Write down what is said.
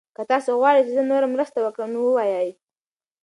که تاسي غواړئ چې زه نوره مرسته وکړم نو ووایئ.